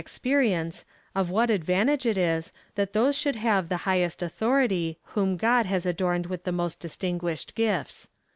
77 experience, of what advantage it is, that those should have the highest authority, whom God has adorned with the most distinguished gifts.